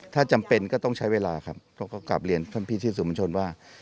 ถ้าจำเป็นก็ต้องใช้เวลาครับเราก็กลับเรียนท่านพิธีสุมัญชนว่า